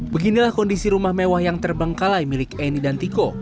beginilah kondisi rumah mewah yang terbengkalai milik eni dan tiko